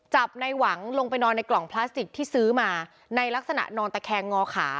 จับในหวังลงไปนอนในกล่องพลาสติกที่ซื้อมาในลักษณะนอนตะแคงงอขา